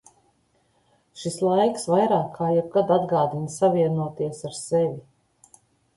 Šis laiks vairāk kā jebkad atgādina savienoties ar sevi.